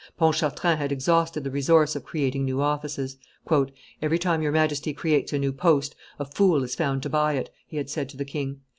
Pontchartrain had exhausted the resource of creating new offices. "Every time your Majesty creates a new post, a fool is found to buy it," he had said to the king.